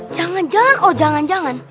jangan jangan oh jangan jangan